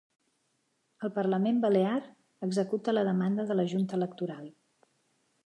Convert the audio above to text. El Parlament Balear executa la demanda de la Junta Electoral